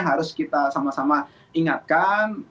harus kita ingatkan